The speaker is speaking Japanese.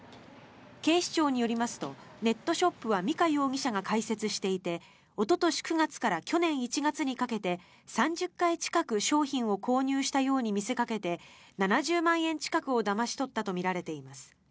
警視庁によりますとネットショップは美香容疑者が開設していておととし９月から去年１月にかけて、３０回近く商品を購入したように見せかけて７０万円近くをだまし取ったとみられています。